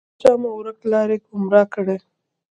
پاچا مو ورک لاری، ګمرا کړی.